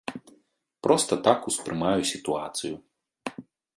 Проста так успрымаю сітуацыю.